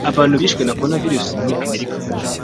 Abantu bishwe na Coronavirus muri Amerika